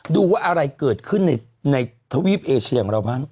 ดูว่าอะไรเกิดขึ้นในทวีปเอเชียของเราบ้าง